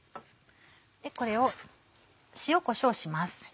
これを塩こしょうします。